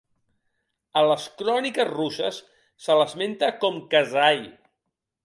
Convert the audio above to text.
A les cròniques russes se l'esmenta com Kasai.